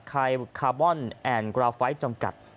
คายคาร์บอนแอนด์กราไฟท์จำกัด